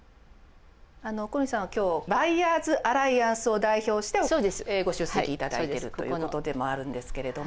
小西さんは今日バイヤーズアライアンスを代表してご出席いただいてるということでもあるんですけれども。